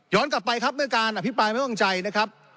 กลับไปครับเมื่อการอภิปรายไม่วางใจนะครับ